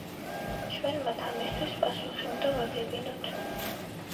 ჩვენ მათ ამისთვის პასუხი უნდა ვაგებინოთ.